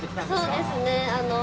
そうですね。